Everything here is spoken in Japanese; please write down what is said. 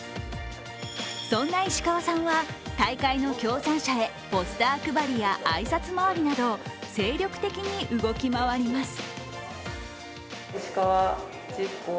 そんな石川さんは、大会の協賛者へポスター配りや挨拶回りなど精力的に動き回ります。